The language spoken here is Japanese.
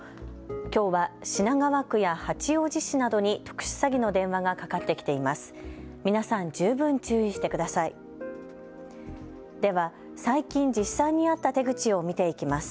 きょうは品川区や八王子市などに特殊詐欺の電話がかかってきています。